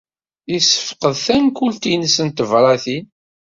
Yessefqed tankult-nnes n tebṛatin.